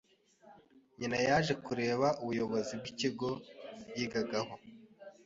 Nyina yaje kurega ubuyobozi bw’ikigo yigagaho